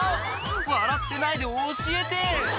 「笑ってないで教えて！」